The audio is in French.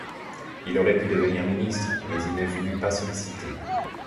Il aurait pu devenir ministre, mais il ne voulut pas solliciter.